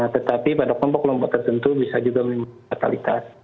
tetapi pada kompok kompok tertentu bisa juga memiliki fatalitas